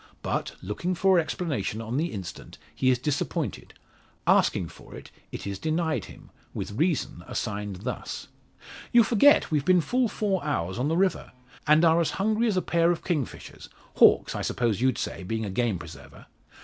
But, looking for explanation on the instant, he is disappointed. Asking for it, it is denied him, with reason assigned thus: "You forget we've been full four hours on the river, and are as hungry as a pair of kingfishers hawks, I suppose, you'd say, being a game preserver.